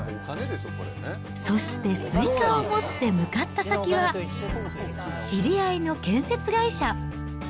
そしてスイカを持って向かった先は知り合いの建設会社。